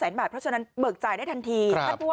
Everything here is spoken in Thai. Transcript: บาทเพราะฉะนั้นเบิกจ่ายได้ทันที